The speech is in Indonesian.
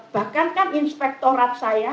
bahkan kan inspektorat saya